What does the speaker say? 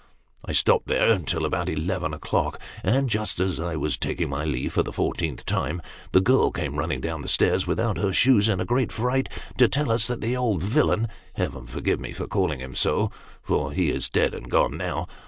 I stopped there, till about eleven o'clock, and, just as I was taking my leave for the fourteenth time, the girl came running down the stairs, without her shoes, in a great fright, to tell us that the old villain Heaven forgive me for calling him so, for he" is dead and gone now